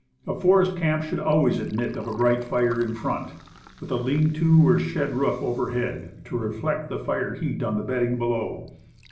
A forest camp should always admit of a bright fire in front, with a lean to or shed roof overhead, to reflect the fire heat on the bedding below.